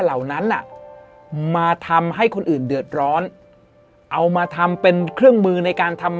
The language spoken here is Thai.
เหล่านั้นอ่ะมาทำให้คนอื่นเดือดร้อนเอามาทำเป็นเครื่องมือในการทำ